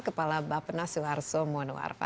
kepala bapak nas soeharto monoarfa